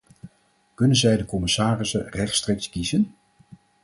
Kunnen zij de commissarissen rechtstreeks kiezen?